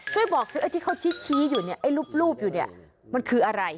ช่วยบอกซื้อไอ้ที่เขาชี้อยู่เนี่ยไอ้รูปอยู่เนี่ยมันคืออะไร